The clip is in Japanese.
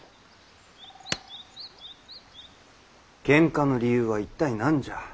けんかの理由は一体何じゃ？